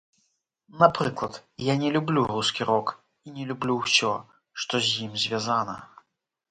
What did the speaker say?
Напрыклад, я не люблю рускі рок і не люблю ўсё, што з ім звязана.